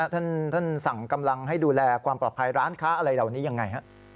ท่านสั่งกำลังให้ดูแลความปลอดภัยร้านค้าอะไรเหล่านี้ยังไง